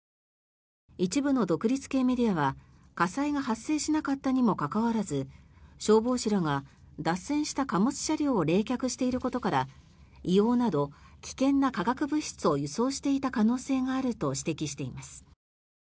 一部の独立系メディアは火災が発生しなかったにもかかわらず消防士らが脱線した貨物車両を冷却していることから硫黄など危険な化学物質を輸送していた可能性があると指摘しています。